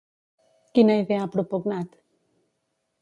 Quina idea ha propugnat?